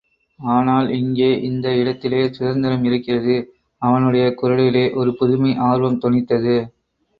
ஆனால் இங்கே, இந்த இடத்திலே சுதந்திரம் இருக்கிறது! அவனுடைய குரலிலே ஒரு புதுமை ஆர்வம் தொனித்தது.